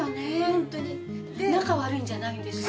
ホントに仲悪いんじゃないんですよ